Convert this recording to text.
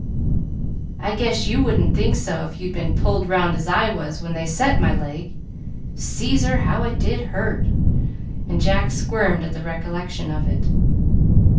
"I guess you wouldn't think so if you'd been pulled round as I was when they set my leg. Caesar, how it did hurt!" and Jack squirmed at the recollection of it.